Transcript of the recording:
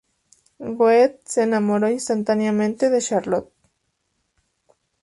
Goethe se enamoró instantáneamente de Charlotte.